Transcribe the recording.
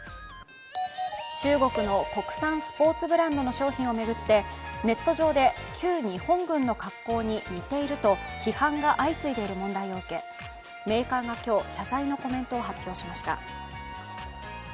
中国の国産スポーツブランドの商品を巡ってネット上で旧日本軍の格好に似ていると批判が相次いでいる問題を受けメーカーが今日、謝罪のコメントを発表しました。